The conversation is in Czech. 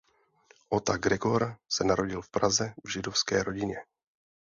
Ota Gregor se narodil v Praze v židovské rodině.